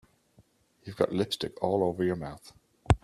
You've got lipstick all over your mouth.